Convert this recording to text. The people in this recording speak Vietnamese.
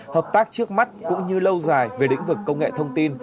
hợp tác trước mắt cũng như lâu dài về lĩnh vực công nghệ thông tin